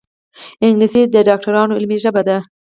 انګلیسي د ډاکټرانو علمي ژبه ده